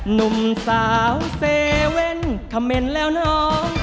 หนุ่มสาวเซเว่นเขาเหม็นแล้วน้อง